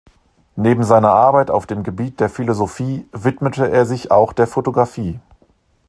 Neben seiner Arbeit auf dem Gebiet der Philosophie widmete er sich auch der Fotografie.